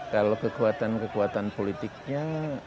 kalau kekuatan kekuatan politiknya